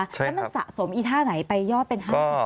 แล้วมันสะสมอีธ่าไหนให้ยอด๕๐๐๐ซากได้ครับ